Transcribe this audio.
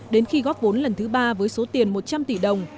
đến khi góp vốn lần thứ ba với số tiền một trăm linh tỷ đồng